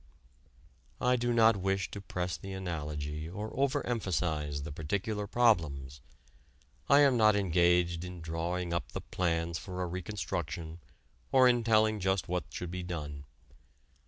I do not wish to press the analogy or over emphasize the particular problems. I am not engaged in drawing up the plans for a reconstruction or in telling just what should be done.